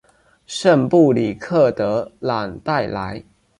圣布里克德朗代莱。